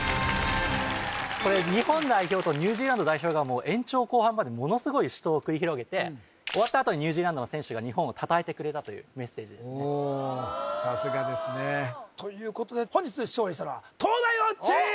これ日本代表とニュージーランド代表がもう延長後半までものすごい死闘を繰り広げて終わったあとにニュージーランドの選手が日本をたたえてくれたというメッセージさすがですねということで本日勝利したのは東大王チーム！